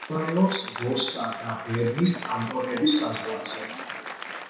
მდებარეობს ვოსა და ბერნის კანტონების საზღვარზე.